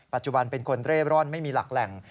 ปัจจุบันเป็นคนเร่บร้อนไม่มีหลักแหล่ง